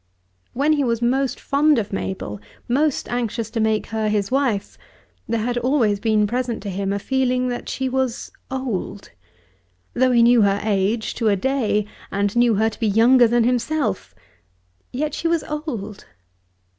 When he was most fond of Mabel, most anxious to make her his wife, there had always been present to him a feeling that she was old. Though he knew her age to a day, and knew her to be younger than himself, yet she was old.